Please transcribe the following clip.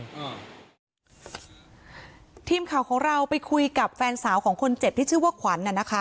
อืมทีมข่าวของเราไปคุยกับแฟนสาวของคนเจ็บที่ชื่อว่าขวัญน่ะนะคะ